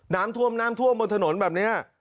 น้ำท่วมบนถนนแบบนี้